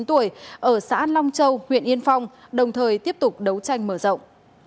bốn mươi tuổi ở xã long châu huyện yên phong đồng thời tiếp tục đấu tranh mở rộng